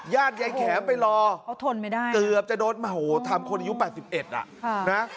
ญาติยายแข็มไปรอเกือบจะโดดโอ้โหทำคนอายุ๘๑อะ